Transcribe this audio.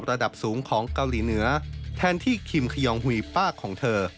ระดับสูงของเกาหลีเหนือแทนที่คิมขยองหุยป้าของเธอ